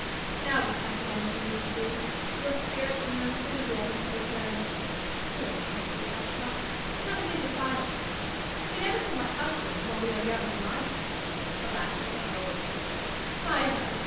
Now we chat again as we used to do. Your spirits and your enthusiasm have returned. Courage, my sweet Dashkof ; do not Vjegin to sigh again. We never can want husbands while we are young and lively. Alas ! I cannot always be so. Heigho